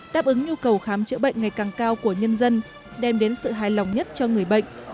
đáp ứng nhu cầu khám chữa bệnh ngày càng cao của nhân dân đem đến sự hài lòng nhất cho người bệnh